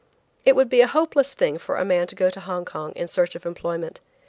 It would be a hopeless thing for a man to go to Hong Kong in search of employment.